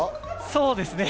そうですね。